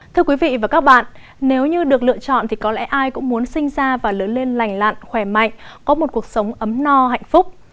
thưa quý vị và các bạn nếu như được lựa chọn thì có lẽ ai cũng muốn sinh ra và lớn lên lành lặn khỏe mạnh có một cuộc sống ấm no hạnh phúc